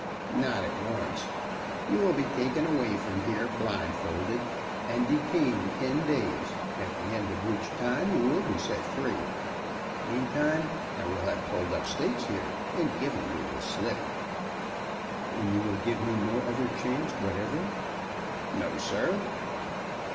"Not at once. You will be taken away from here blindfolded, and detained ten days, at the end of which time you will be set free. Meantime, I will have pulled up stakes here and given you the slip." "And you will give me no other chance whatever?" "No, sir."